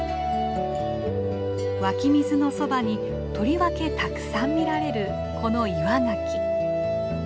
湧き水のそばにとりわけたくさん見られるこのイワガキ。